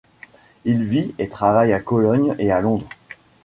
Il vit et travaille à Cologne et à Londres.